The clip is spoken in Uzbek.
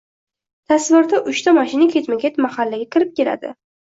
Tasvirda uchta mashina ketma-ket mahallaga kirib keladi...